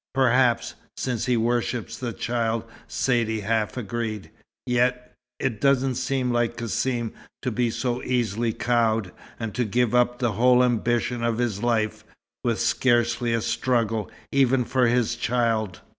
"Perhaps since he worships the child," Saidee half agreed. "Yet it doesn't seem like Cassim to be so easily cowed, and to give up the whole ambition of his life, with scarcely a struggle, even for his child."